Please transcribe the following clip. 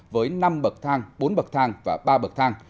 với năm bậc thang bốn bậc thang và ba bậc thang